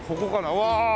うわ！